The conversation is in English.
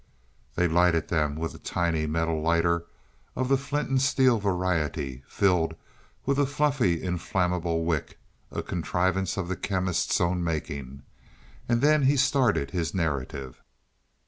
They lighted them with a tiny metal lighter of the flint and steel variety, filled with a fluffy inflammable wick a contrivance of the Chemist's own making and then he started his narrative.